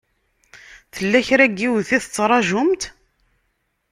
Tella kra n yiwet i tettṛajumt?